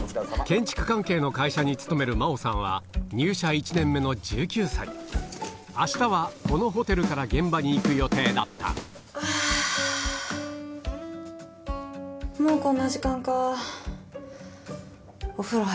建築関係の会社に勤める真央さんは入社１年目の１９歳明日はこのホテルから現場に行く予定だったハァ。